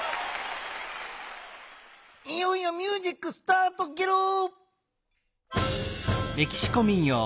いよいよミュージックスタートゲロ！